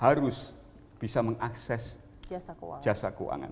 harus bisa mengakses jasa keuangan